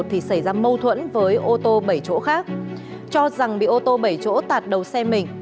thì xảy ra mâu thuẫn với ô tô bảy chỗ khác cho rằng bị ô tô bảy chỗ tạt đầu xe mình